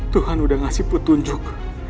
tuhan udah ngasih petunjuk